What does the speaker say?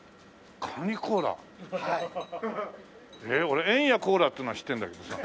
俺エンヤコーラっていうのは知ってるんだけどさ。